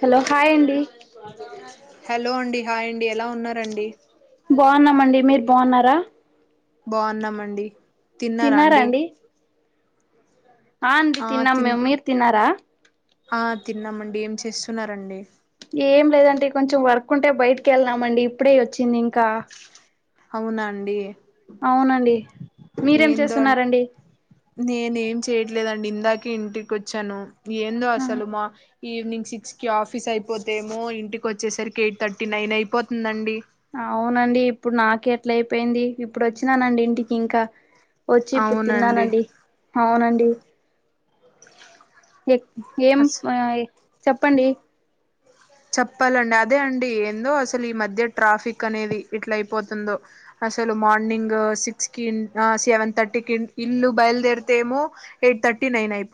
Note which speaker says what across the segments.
Speaker 1: Hello hi అండి
Speaker 2: హా అండి ఎలా ఉన్నారండి
Speaker 1: బాగున్నామండి మీరు బాగున్నారా
Speaker 2: బాగున్నామండి తిన్నారా అండి
Speaker 1: అ అంది
Speaker 2: ఆ
Speaker 1: త నమ్
Speaker 2: తిన్
Speaker 1: మీర్ తన్నారా
Speaker 2: తిన్నామండి ఏం చేస్తున్నారంండి
Speaker 1: ఏం లేదంటే కొంచెం వర్క్ ఉంటే బయటికి వెళ్ళనామండి ఇప్పుడే వచ్చింది ఇంకా
Speaker 2: అవునా అండి
Speaker 1: అవునండి మీరేం
Speaker 2: ఏందో అన్
Speaker 1: చేస్తున్నారండి
Speaker 2: నేనేం చేయట్లేదండి ఇందాకే ఇంటికి వచ్చాను ఏందో అసలు మా ఈవినింగ్ సిక్స్కి ఆఫీస్ అయిపోతే ఏమో ఇంటికి వచ్చేసరికి ఎయిట్ థర్టీ నైన్ అయిపోతుందండి
Speaker 1: అవునండి ఇప్పుడు నాకి ఎట్లా అయిపోయింది ఇప్పుడు వచ్చినానండి ఇంటికి ఇంకా వచ్చి ఇప్పుడు
Speaker 2: అవునండి
Speaker 1: తిన్నానండి అవునండి ఇన్ ఎ ఏం
Speaker 2: అస్
Speaker 1: ఆయి చెప్పండి
Speaker 2: చెప్పాలండి అదే అండి ఏందో అసలు ఈ మధ్య ట్రాఫిక్ అనేది ఇట్లా అయిపోతుందో అసలు మార్నింగ్ సిక్స్ కి సెవెన్ థర్టీ క ఇల్లు బయలుదేరితే ఏమో ఎయిట్ థర్టీ నైన్ అయి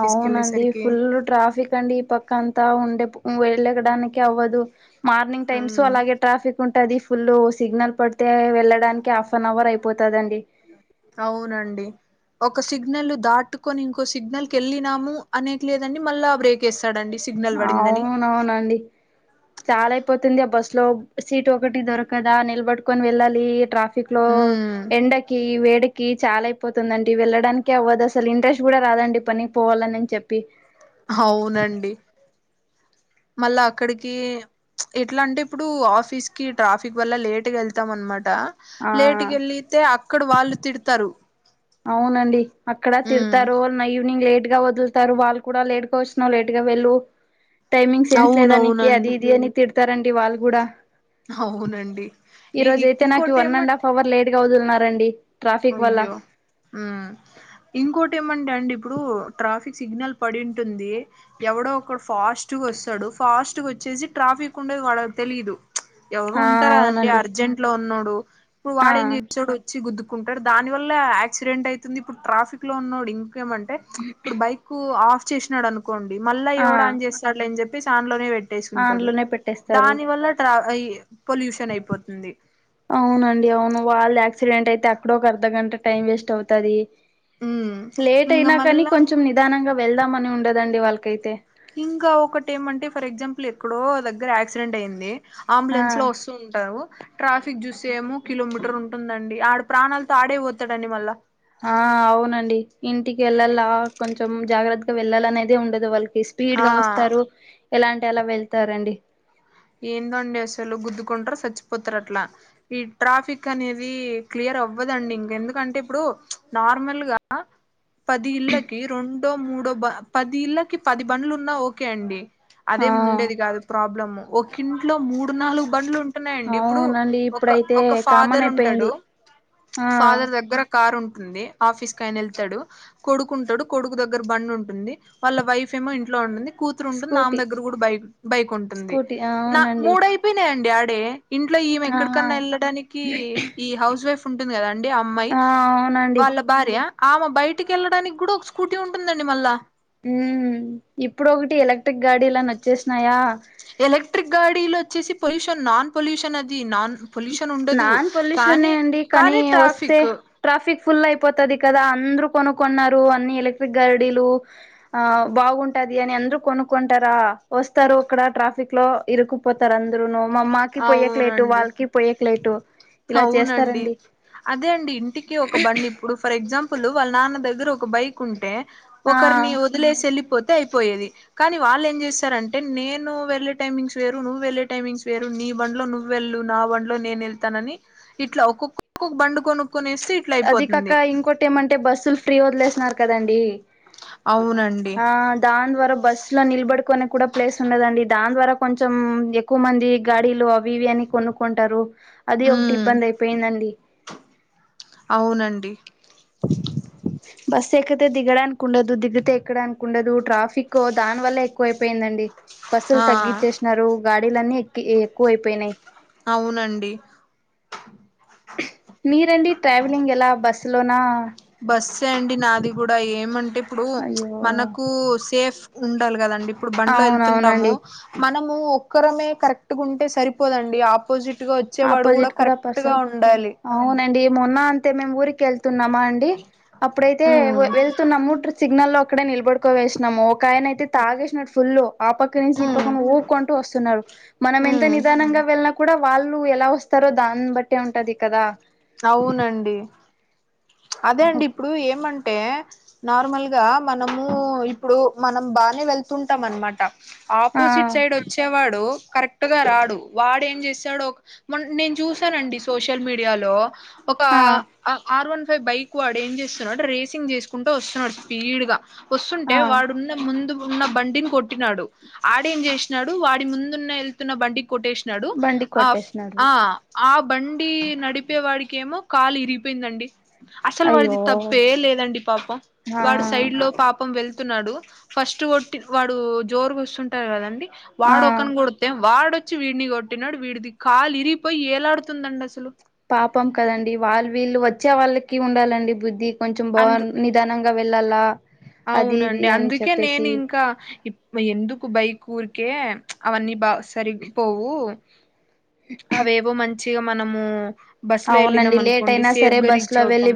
Speaker 1: అవునండి ఫుల్ ట్రాఫిక్ అండి ఈ పక్కంతా ఉం వెళ్ళగడానికి అవ్వదు మార్నింగ్ టైమ్స్
Speaker 2: అవును
Speaker 1: అలాగే ట్రాఫిక్ ఉం అది ఫుల్ సిగ్నల్ పడితే వెళ్ళడానికి హాఫ్ అన్ అవర్ అయిపో
Speaker 2: అవునండి ఒక సిగ్నల్ దాటుకొని ఇంకో సిగ్నల్ క వెళ్ళినాము అనేకి లేదండి మళ్ళా బ్రేక్స్
Speaker 1: అవునవునండి చాలా అయిపోతుంది ఆ బస్ లో సీట్ ఒకటి దొరకదా నిలబట్టుకొని వెళ్ళాలి ట్రా క్లో
Speaker 2: ఉమ్,
Speaker 1: ఎండకి వే కి చాలా అయిపోతుందండి వెళ్ళడానికి అవ్వదు అసలు ఇంట్రెస్ట్ కూడా రాదండి పనికి పోవాలని అని చెప్పి
Speaker 2: అవునండి మళ్ళా అక్కడికి ఎట్ల అంటే ఇప్పుడు ఆఫీస్ కి ట్రాఫిక్ వల్ల లేట్గా వెళ్తాం అనమా ట
Speaker 1: ఆ
Speaker 2: లేటుగ వెళ్ళితే అక్కడ వాళ్ళు తిడతారు
Speaker 1: అవునండి అక్కడ
Speaker 2: ఉమ్
Speaker 1: తిడతారో నింగ్ లేట్ గా వదులుతారు వాళ్ళు కూడా లేట్గా వచ్చినావ్ లేట్ గా వెళ్ళు టైమింగ్ సెన్స్ లేదా నీకి అది
Speaker 2: అవునవునండి
Speaker 1: ఇది అని స్తారండి వాళ్ళు గూడా
Speaker 2: అవునండి ఈ ఇంకోటి ఏమంటే
Speaker 1: వదిల్నరండి ట్రాఫిక్ వల్ల
Speaker 2: ఉ ఇంకోటి ఏమంటే అండి ఇప్పుడు ట్రాఫిక్ సిగ్నల్ పడింటుంది ఎవడో ఒకడు ఫాస్ట్గా వస్తాడు ఫాస్ట్గా వచ్చేసి ట్రాఫిక్ ఉండే వాళ్ళకి తెలీదు ఎవరు
Speaker 1: ఆ
Speaker 2: ఉంటారు అండి
Speaker 1: అవునండి
Speaker 2: అర్జెంట్ లో ఉన్న లు ఇప్పుడు
Speaker 1: ఆ
Speaker 2: వాడేం చేచాడు వచ్చి గుద్ కుంటాడు దాని వల్ల యాసిడెంట్ అయితుంది ఇప్పుడు ట్రాఫిక్ లో ఉన్నొడు ఏమంటే ఇప్పుడు బైక్ ఆఫ్ చేసినాడు అను కోండి మళ్ళ
Speaker 1: ఆ
Speaker 2: ఎవడ అని చేస్తాట్లే అని చెప్పి చాన్లోనే
Speaker 1: ఆ
Speaker 2: పెట్టేసుకుంటాడు
Speaker 1: అందులోనే పెట్టేస్తారు
Speaker 2: దాని వల్ల ట
Speaker 1: అవునండి అవును వాళ్ళ క్సిడెంట్ అయితే అక్కడ ఒక అర్ధగంట టైం వేస్ట్ అవుతది
Speaker 2: ఉమ్
Speaker 1: లేట్
Speaker 2: ఇంగ
Speaker 1: అయినా కానీ
Speaker 2: మళ్ళా
Speaker 1: కొంచెం నిదానంగా వెళ్దామని ఉండదండి వాళ్ళకైతే
Speaker 2: ఇంకా ఒకటి ఏమంటే ఫర్ ఎగ్జాంపుల్ ఎక్కడో దగ్గర యాక్సిడెంట్ అయింది
Speaker 1: ఆ
Speaker 2: అంబులెన్స్ లో వస్తూ ఉంటావు ట్రాఫిక్ చూసే ఏమో కిలోమీటర్ ఉంటుందండి ఆడ ప్రాణాలతో ఆడే పోతాడుడి మళ్ళా
Speaker 1: ఆ అవునండి ఇంటికి వెళ్లాల కొంచెం జాగ్రత్తగా వెళ్లాలినేది ఉండదు వాళ్ళకి స్పీడ్
Speaker 2: ఆ
Speaker 1: గా వస్తారు ఇలాంటి ఎలా వెళ్తారండి
Speaker 2: ఏంద అండి అసలు గుద్దుకుంటారు చచ్చిపోతారు అట్లా ఈ ట్రాఫిక్ అనేది క్లియర్ అవ్వదండి ఇంక ఎందుకంటే ఇప్పుడు నార్మల్ గా పది ఇళ్ళకి రెండో మూడో పది ఇళ్ళకి పది బండ్లు ఉన్నా ఓకే అండి అదే
Speaker 1: ఆ
Speaker 2: ఉండేది కాదు ప్రాబ్లము ఒకంట్లో మూడు నాలుగు బండ్లు ఉంట ున్నాయండి ఇప్పుడు
Speaker 1: అవునండి
Speaker 2: ఒక
Speaker 1: ఇప్పుడైతే
Speaker 2: ఒక
Speaker 1: కామన్
Speaker 2: ఫాదర్ ఉంటాడు
Speaker 1: అయిపోయింది ఆ
Speaker 2: ఫాదర్ దగ్గర కార్ ఉంట ంది ఆఫీస్ క అయన వెళ్తాడు కొడుకు ఉంటాడు కొడుకు దగ్గర బం ఉంటుంది వాళ్ళ వైఫ్ ఏమో ఇంట్లో ఉంటుంది కూతురు ఉంటుంది నామె
Speaker 1: స్కూటీ
Speaker 2: దగ్గర కూడా బైక్ బైక్ ఉంటుంది
Speaker 1: స్కూటీ
Speaker 2: నా
Speaker 1: అవునండి
Speaker 2: మూడయిపోయి న ఇంండేడే ఇంట్లో ఈమె
Speaker 1: ఆహా
Speaker 2: ఎక్కడికన్నా వెళ్ళడానికి ఈ హౌస్ వైఫ్ ఉంటుందిద అండి అమ్మాయి
Speaker 1: ఆ అవునండి
Speaker 2: వాళ్ళ భార్య ఆమె బయటికి వెళ్ళడానికి కూడా ఒక స్కూటీ ఉంటుందండి మళ్ళా
Speaker 1: ఉ ఇప్పుడు ఒకటి ఎలక్ట్రిక్ గాడీలాని వచ్చేసినాయా
Speaker 2: ఎలక్ట్రిక్ గాడీలు వచ్చేసి పొల్యూషన్ నాన్ పొల్యూషన్ అది నాన్ పొల్యూషన్ ఉండదు
Speaker 1: నాన్ పొల్యూషన్
Speaker 2: కానీ
Speaker 1: అండి కానీ వస్తే
Speaker 2: ట్రాఫిక్
Speaker 1: ట్రాఫిక్ ఫుల్ అయిపోతుది కదా అందరూ కొను న్నారు అన్ని ఎలక్ట్రిక్ గాడీలు ఆ బాగుంటది అని అందురు కొనుకుంటారా వస్తారు అక్కడ ట్రాఫిక్ లో ఇరుకుపోతారు అందరును అమ్మాకి పోయే క్లేట్టు
Speaker 2: అవునండి
Speaker 1: వాళ్ళకి పోయే
Speaker 2: అవునండి అదే అండి ఇంటికి ఒక బండి ఇప్పుడు ఫర్ ఎగ్జాంపుల్ ప్లు వాళ్ళ నాన్న దగ్గర ఒక బైక్ ఉంటే
Speaker 1: ఆ
Speaker 2: ఒకరిని వదిలేసి వెళ్ళలిపోతు అతే అయిపోయేది కానీ వాళ్ళు ఏం చేశారంటే నేను వెళ్ళే టైమింగ్స్ వేరు నువ్వు వెళ్ళే టైమింగ్స్ వేరు నీ బండిలో నువ్వు వెళ్ళు నా బండిలో నేను వెళ్తానని ఇట్లా ఒక్కొక్కక్కొ బండుకను
Speaker 1: అది కాక ఇంకోటి ఏమంటే బస్సులు ఫ్రీ వదిలేసన్నారు కదండి
Speaker 2: అవునండి
Speaker 1: ఆ దాని ద్వారా బస్సులో నిలబడుకునే కూడా ప్లేస్ ఉన్నదండి దాని ద్వారా కొంచెం ఎక్కువ మంది గాడీలు అవి ఇవి అని కొనుక్కుంటారు అది ఒకటి
Speaker 2: ఉమ్
Speaker 1: ఇబ్బంది అయిపోయిందండి
Speaker 2: అవునండి
Speaker 1: బస్సు ఎక్కతే దిగడానికి ఉండదు దిగితే ఎక్కడానికి ఉండదు ట్రాఫిక్ దాని వల్ల ఎక్కువ అయిపోయిందండి బస్సులు
Speaker 2: ఆ
Speaker 1: తగ్గచ్చేసినారు గాడీలన్నీ ఎక్కి ఎక్కువ అయిపోయినాయి
Speaker 2: అవునండి
Speaker 1: మీరండి ట్రావెలింగ్ ఎలా బస్సు లోనా
Speaker 2: బస్ ఏం అండి నాది కూడా ఏమంటే ఇప్పుడు
Speaker 1: అయ్యో
Speaker 2: మనకు సేఫ్ ఉండాలి కదండి ఇప్పుడు బండ్లో వెళ్తుంటాము
Speaker 1: అవునవునండి
Speaker 2: మనం ఒక్కరమే కరెక్ట్ ఉంటే సరిపోదండి ఆపోజిట్ ట్గా వచ్చేవాడు కూడా
Speaker 1: ఆపోజిట్
Speaker 2: కరెక్ట్గా
Speaker 1: పర్సన్
Speaker 2: ఉండాలి
Speaker 1: అవునండి మొన్న అంత మేమ్ ఊరికెళ్త్ న్నామా అండి అప్పుడైతే
Speaker 2: ఉమ్
Speaker 1: వెళ్తున్నాము సిగ్నల్ అక్కడ నిలబడికో వేనన్నాము ఆయన అయితే తాగేసినడు ఫుల్ ఆ పక్క నుంచి
Speaker 2: ఉమ్
Speaker 1: ఇప్పకున ఊకుంటూ వస్తున్నారు మనం ఎంత
Speaker 2: ఉమ్
Speaker 1: నిదానంగా వెళ్ళిన కూడా వాళ్ళు ఎలా వస్తారో దాన్ని బట్టే ఉంటది కదా
Speaker 2: అవునండి అదే అండి ఇప్పుడు ఏమంట అంటే నార్మల్ గా మనము ఇప్పుడు మనం బానే వెళ్తుంటాం అనమాట
Speaker 1: ఆ
Speaker 2: ఆపోజిట్ సైడ్ వచ్చేవాడు కరెక్ట్ గా రాడు వాడ ఏం చేశాడో నేను చూసానండి సోషల్ మీడియాలో ఒక
Speaker 1: ఆ
Speaker 2: ఆరు వన్ బైక్ వాడు ఏం చేస్తున్నాడు రేసింగ్ చేసుకుంటూ వస్తున్నాడు స్పీడ్ గా
Speaker 1: ఆ
Speaker 2: వస్తుంటే వాడున్న ముందు ఉన్న బండిని కొట్టినాడు ఆడేం చేసినాడు వాడి ముందున్న వెళ్తున్న బండి కొటేష్ నడు
Speaker 1: బండి కొట్టేసినాడు
Speaker 2: ఆ ఆ బండి నడిపేవాడికి ఏమో కాలు ఇరిగిపోయిందండి అసలు వాడిది
Speaker 1: అయ్యో
Speaker 2: తప్పే లేదండి పాపం
Speaker 1: ఆ
Speaker 2: వాడు సైడ్ లో పాపం వెళ్ తున్నాడు ఫస్ట్ కొట్టి వాడు జోరుకు వస్తుంటారు కదండి వాడు
Speaker 1: ఆ
Speaker 2: ఒకడిని కొడితే వాడు వచ్చి వీడిని కొట్టినాడు వీడిది కాలు ఇరిగిపోయి ఏలాడుతుందండి అసలు
Speaker 1: పాపం కదండి వాళ్ళు వీళ్ళు వచ్చే వాళ్ళకి ఉండాలండి బుద్ధి కొంచెం బా
Speaker 2: అందు
Speaker 1: నిదానంగా వెళ్ళాలా అది ఇది
Speaker 2: అవునండి
Speaker 1: అని
Speaker 2: అందుకే నేను
Speaker 1: చెప్పేసి
Speaker 2: ఇంకా ఎందుకు బైకు ఊరికే అవన్నీ బా సరిపోవు అవి ఎవో మంచి మంచిగా మనము బస్ లో వెళ్ళినాం
Speaker 1: అవునండి లేట్
Speaker 2: అనుకోండి
Speaker 1: అయినా
Speaker 2: సేఫ్
Speaker 1: సరే
Speaker 2: గా
Speaker 1: బస్సు
Speaker 2: రీచ్
Speaker 1: లో వెళ్ళి
Speaker 2: అవుతాం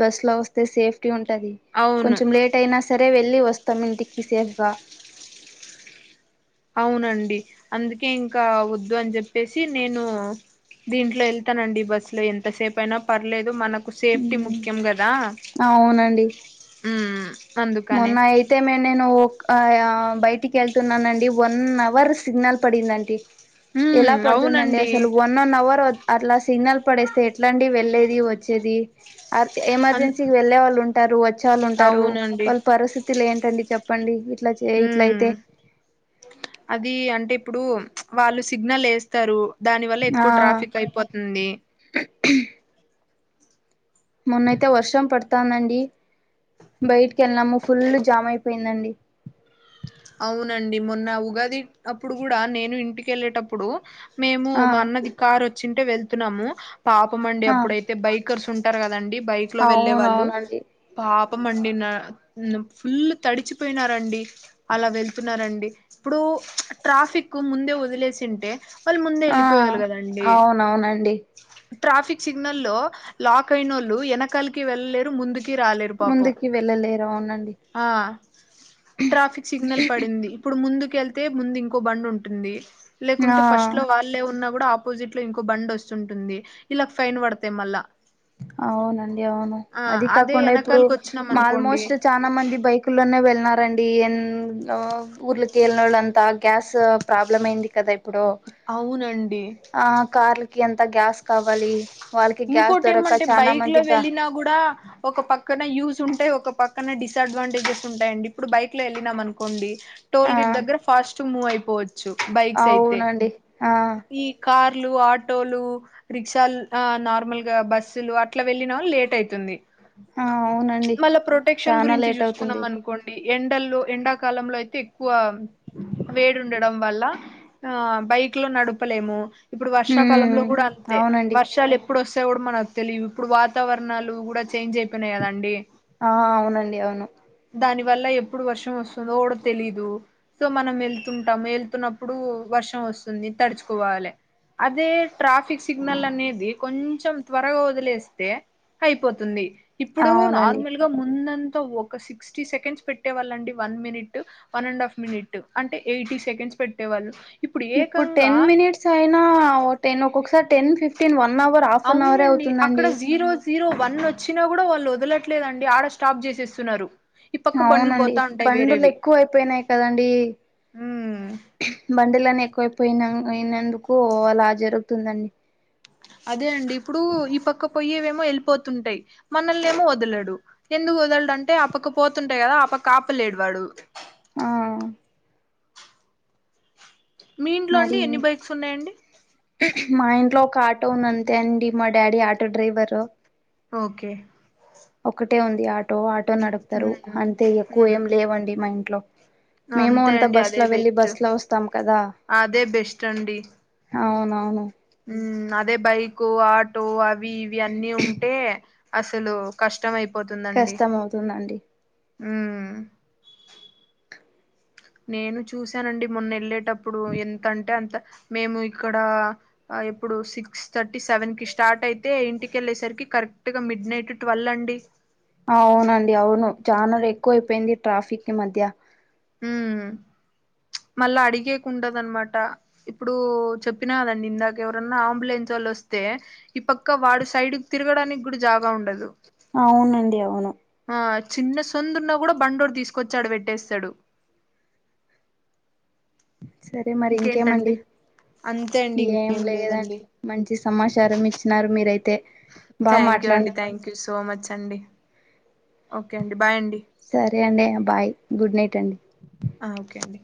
Speaker 1: బస్ లో వస్తే సేఫ్టీ ఉంటది
Speaker 2: అవును
Speaker 1: కొంచెం లేట్ అయినా సరే వెళ్ళి వ సస్తా మినట్కిసేఫగా
Speaker 2: అవునండి అందుకే ఇంకా వద్దు అని చెప్పేసి నేను దీంట్లో వెళ్తానండి బస్సులో ఎంతసేపు అయినా పర్లేదు మనకు సేఫ్ ట్టి
Speaker 1: ఉమ్
Speaker 2: ముఖ్యం కదా
Speaker 1: అవునండి
Speaker 2: ఆ
Speaker 1: మొన్న అయితే మేం నేను బయటికి వెళ్తున్నానండి వన్న్ అవర్ సిగ్నల్ పడిందండి
Speaker 2: ఉమ్
Speaker 1: ఎలా పడుతుందండి
Speaker 2: అవునండి
Speaker 1: అసలు వన్ అన్ అవర్ అట్లా సిగ్నల్ పడేస్తే ఎట్లాంటిడి వెళ్లేేది వచ్చేది
Speaker 2: అ
Speaker 1: ఎమర్జెన్సీకి వెళ్లే వాళ్ళు ఉంటే ఉంటారు వచ్చేవాళ్ళు ఉంటారు
Speaker 2: అవునండి
Speaker 1: వాళ్ళ పరిస్థితులు ఏంటండి చెప్పండి ఇట్లా చే ఇట్లయితే
Speaker 2: మ్ అది అంటే ఇప్పుడు వాళ్ళు సిగ్నల్ వేస్తారు దాని వల్ల
Speaker 1: ఆ
Speaker 2: ఎక్కువ ట్రాఫిక్ అయిపోతుంది
Speaker 1: మొన్నైతే వర్షం పడుతోందండి, బయటికి వెళ్ళాము ఫుల్లు జామ్ అయిపోయిందండి.
Speaker 2: అవునండి మొన్న ఉగాది అప్పుడు కూడా నేను ఇంటిక వెళ్ళేటప్పుడు మేము
Speaker 1: ఆ
Speaker 2: మా అన్నది కారు వచ్చింటే వెళ్తున్నాము పాపం అండి
Speaker 1: ఆ
Speaker 2: అప్పుడైతే బైక్ ర్స్ ఉంటారు కదండి బైక్ లో వెళ్ళలే వాళ్ళు
Speaker 1: అవునవునండి
Speaker 2: పాప్ అప్పమండి నా ఫుల్ తడిచిపోయినారండి అలా వెళ్తున్నారంండి ఇప్పుడు ట్రాఫిక్ ముందే వదిలేసింటే వాళ్ళు ముందే
Speaker 1: ఆ
Speaker 2: వెళ్ళిపోయేవాళ్ళు కదండి
Speaker 1: అవునవునండి
Speaker 2: ట్రాఫిక్ సిగ్నల్ లో లాక్ అయినోళ్ళు వెనకాలకి వెళ్ళలేరు ముందు రాలేరు పాపం
Speaker 1: ముందుకి వెళ్ళలేరు అవునండి
Speaker 2: ఆ ట్రాఫిక్ పడింది ఇప్పు ఇప్పుడు ముందుకెళ్తే ముందు ఇంకో బండి ఉంటుంది
Speaker 1: ఆ
Speaker 2: లేకుంటే ఫస్ట్ లో వాళ్ళే ఉన్న కూడా ఆపోజిట్ లో ఇంకో బండ్ వస్తుంటుంది, ఇలాకి ఫైన్ పడతాయి మళ్ళా
Speaker 1: అవునండి అవును
Speaker 2: ఆ
Speaker 1: అద
Speaker 2: అదే
Speaker 1: కాకుండా ఇప్పుడు
Speaker 2: వెనకాలకి వచ్చినాం
Speaker 1: మా
Speaker 2: అనుకోండి
Speaker 1: ఆల్మోస్ట్ చాలా మంది బైకుల్లోనే వెళ్ న్నారండి ఎ ఊర్ల తేల అంతా గ్యాస్ ప్రాబ్లమ్ అయింది కదా ఇ ప్పుడు
Speaker 2: అవునండి
Speaker 1: ఆ కార్లకి ఎంత గ్యాస్ కావాలి వాళ్ళకి గ్యా
Speaker 2: టెమ్మటే బైక్ లో వెళ్ళిన గూడా ఒక పక్కన యూస్ ఉంటే ఒక పక్కన డిస్ అడ్వాంటేజెస్ ఉంటాయండి ఇప్పుడు బైక్ లో ఎల్లినాం అనుకోండి
Speaker 1: ఆ
Speaker 2: టోల్గేట్ దగ్గర ఫాస్ట్ మూ అయిపో చ్చు బైక్స్ అయితే
Speaker 1: అవునండి ఆ
Speaker 2: ఈ కా లు ఆటోలు రిక్షాల్ ఆ నార్మల్ గా బస్సులు అట్లా వెళ్ళిన వాళ్ళు లేట్ అయితుంది
Speaker 1: ఆ అవునండి
Speaker 2: మళ్ళా ప్రొటెక్షన్
Speaker 1: చానా
Speaker 2: గురించి
Speaker 1: లేట్
Speaker 2: చూసుకున్నాం
Speaker 1: అవుతుంది
Speaker 2: అనుకోండి ఎండల్లో ఎండాకాలంలో అయితే ఎక్కువ వేడి ఉండడం వల్ల ఆ బైక్ లో నడుపలేము ఇప్పుడు వర్షాకాలంలో
Speaker 1: హ్మ్
Speaker 2: కూడా
Speaker 1: అవునండి
Speaker 2: వర్షాలిపు ఇప్పుడు వస్తేయి కూడా మనకు తెలివు ఇప్పుడు వాతావరణాలు కూడా చేంజ్ అయిపోయినాయి కదండి
Speaker 1: ఆ అవునండి అవును
Speaker 2: దా వల్ల ఎప్పుడు వర్షం వస్తుందో తెలీదు సో మనం వెళ్తుంటాము వెళ్తున్నప్పుడు వర్షం వస్తుంది తడుచుకోవాలి అదే ట్రాఫిక్ సిగ్నల్ అనేది కొంచెం త్వరగా వదిలేస్తే అయిపోతుంది ఇప్పుడు
Speaker 1: అవునండి
Speaker 2: నార్మల్ గా ముందంత ఒక సిక్స్టీ సెకండ్స్ పెట్టేవాళ్ళ అండి one minute one and half minute అంటే ఎయిటీ సెకండ్స్ పెట్టేవాళ్ళు
Speaker 1: ఇప్పుడు టెన్ మినిట్స్ అయినా టెన్ ఒక్కొక్కసారి ten fifteen one hour half an hour
Speaker 2: అవునండి అక్కడ
Speaker 1: అవుతుందండి
Speaker 2: జీరో జీరో వన్ వచ్చినా కూడా వాళ్ళు వదలట్లేదండి ఆడ స్టాప్ చేసేస్తున్నారు ఈ పక్క బండ్లు
Speaker 1: అవునండి
Speaker 2: పోతా ఉంటాయి
Speaker 1: బండులు
Speaker 2: వేరేవి
Speaker 1: ఎక్కువ అయిపోయినాయి కదంీ
Speaker 2: ఉమ్
Speaker 1: బంలనిక్ ఎైపోయిన అయినందుకు అలా జరుగుతుందండి
Speaker 2: అదే అండి ఇప్పుడు ఈ పక్క పోయ్యేవేమో వెళ్ళిపోతుంటాయి మనల్ని ఏమో వదలడు ఎందుకు వదలడు అంటే ఆ పక్క పోతుంటాయి కదా ఆ పక్క ఆపలేడు వాడు
Speaker 1: ఆ
Speaker 2: మీ ఇంట్లో అండి
Speaker 1: మరి
Speaker 2: ఎన్ని బైక్స్ ఉన్నాయండి
Speaker 1: మా ఇంట్లో ఒక ఆటో ఉంది అంతే అండి మ డాడీ ఆటో డ్రైవరు
Speaker 2: ఓకే
Speaker 1: ఒకటే ఉంది ఆ ో ఆటో
Speaker 2: ఉమ్
Speaker 1: నడుపుతారు అంటే ఎక్కువ
Speaker 2: ఉమ్
Speaker 1: ఏం లేవండి మా ఇంట్లో మేము
Speaker 2: అంతే
Speaker 1: అంత
Speaker 2: అండి
Speaker 1: బస్
Speaker 2: అదే
Speaker 1: లో వెళ్ళి
Speaker 2: బెస్ట్
Speaker 1: బస్ లో వస్తాం కదా
Speaker 2: అదే
Speaker 1: అవునవును
Speaker 2: ఉ అదే బైక్ ఆటో అ అవి ఇవి అన్నీ ఉంటే అసలు కష్టం అయిపో
Speaker 1: కష్టం అవుతుందండి
Speaker 2: హ నేను చూసానండి మొన్న వెళ్ళేటప్పుడు ఎంతంటే అంత మేము ఇక్కడ ఇప్పుడు సిక్స్ థర్టీ సెవెన్ కి స్టార్ట్ అయితే ఇంటికెళ్ళేసరికి కరెక్ట్ గా మిడ్ నైట్ ట్వెల్వ్ అండి
Speaker 1: అవునండి అవును చానలు ఎక్కువ అైపోయింది ట్రాఫిక్ి మధ్య
Speaker 2: ఉ మళ్ళా అడిగేకుండదనమాట ఇప్పుడు చెప్పినాదండి ఇందాక ఎవరన్నా అంబులెన్స్ వాళ్ళు వస్తే ఈ పక్క వాడు సైడ్ తిరగడానికి కూడా జాగా ఉండదు
Speaker 1: అవునండి అవును
Speaker 2: ఆ చిన్న సొందున్నా కూడా బండోరు తీసుకొచ్చాడు పెట్టేస్తాడు
Speaker 1: సరే మరి ఇంకేమండి
Speaker 2: ఇంకేంటండి అంతే అండి
Speaker 1: ఏం
Speaker 2: ఇంకేం
Speaker 1: లేదండి మంచి సమాచారం ఇచ్చినారు మీరైతే బాగా
Speaker 2: థ్యాంక్ యూ
Speaker 1: మాట్లాడిన
Speaker 2: అండి థ్యాంక్ యూ సో మచ్ అండి ఓకే అండి బాయ్ అండి
Speaker 1: సరే అండి బాయ్ గుడ్ నైట్ అండి
Speaker 2: ఆ ఓకే అండి